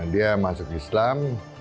dia masuk islam